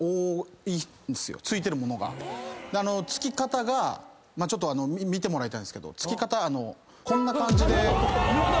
憑き方が見てもらいたいんですけど憑き方こんな感じで。